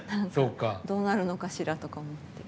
どうなるのかしらとか思って。